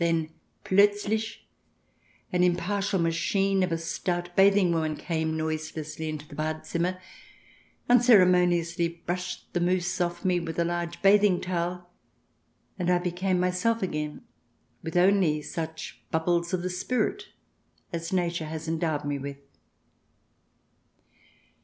Then, plotzltch an impartial machine of a stout bathing woman came noiselessly into the Bad Zimmer, unceremoni ously brushed the mousse off me with a large bathing towel, and I became myself again, with only such bubbles of the spirit as Nature has endowed me with.